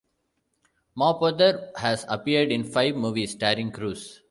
Mapother has appeared in five movies starring Cruise.